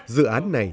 dự án này